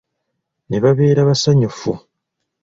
Ne babeera basanyufu.